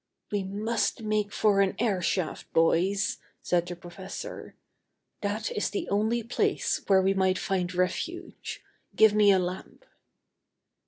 "We must make for an airshaft, boys," said the professor. "That is the only place where we might find refuge. Give me a lamp."